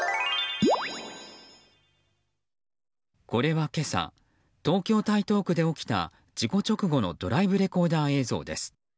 これは今朝東京・台東区で起きた事故直後のドライブレコーダー映像です。